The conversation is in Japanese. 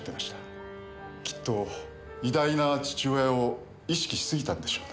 きっと偉大な父親を意識し過ぎたんでしょうね。